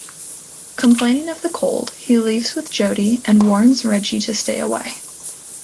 Complaining of the cold, he leaves with Jody and warns Reggie to stay away.